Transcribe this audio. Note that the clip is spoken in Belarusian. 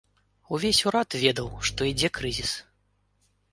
Увесь урад ведаў, што ідзе крызіс.